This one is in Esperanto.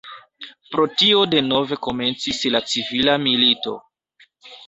Pro tio denove komencis la civila milito.